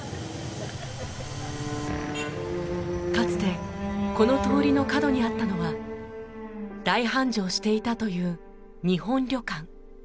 かつてこの通りの角にあったのは大繁盛していたという日本旅館。